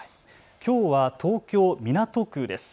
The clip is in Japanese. きょうは東京港区です。